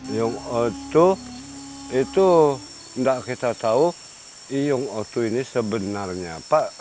iyung otu itu tidak kita tahu iyung otu ini sebenarnya apa